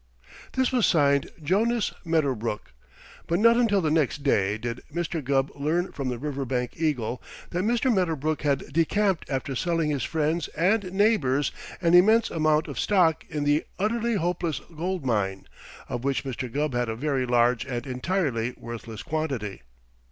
This was signed "Jonas Medderbrook," but not until the next day did Mr. Gubb learn from the "Riverbank Eagle" that Mr. Medderbrook had decamped after selling his friends and neighbors an immense amount of stock in the Utterly Hopeless Gold Mine, of which Mr. Gubb had a very large and entirely worthless quantity.